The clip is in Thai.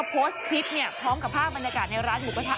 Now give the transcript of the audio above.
โพสต์คลิปพร้อมกับภาพบรรยากาศในร้านหมูกระทะ